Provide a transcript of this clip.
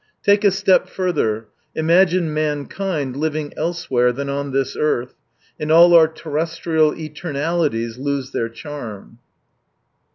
( Take a step further, imagine mankind living I elsewhere than on this earth, and all our ' terrestial eternalities lose their charm.